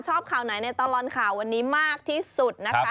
ชอบข่าวไหนในตลอดข่าววันนี้มากที่สุดนะคะ